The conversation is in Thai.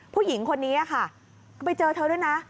ผู้หญิงคนนี้ค่ะไปเจอเธอด้วยนะ